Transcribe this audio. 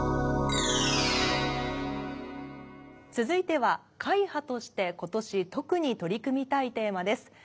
続いては会派として今年特に取り組みたいテーマです。